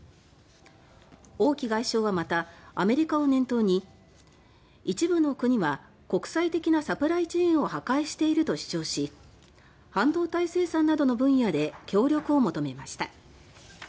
王毅外相はまたアメリカを念頭に「一部の国は国際的なサプライチェーンを破壊している」と主張し半導体生産などの分野で協力を求めました。